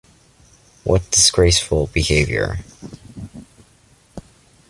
What disgraceful behaviour!